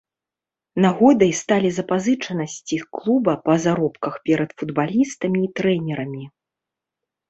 Нагодай сталі запазычанасці клуба па заробках перад футбалістамі і трэнерамі.